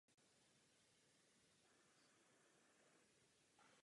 V pozadí je architektura.